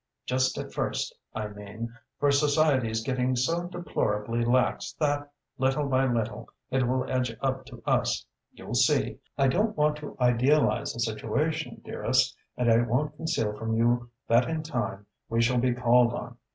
_ Just at first, I mean; for society's getting so deplorably lax that, little by little, it will edge up to us you'll see! I don't want to idealize the situation, dearest, and I won't conceal from you that in time we shall be called on.